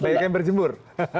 banyak yang berjemur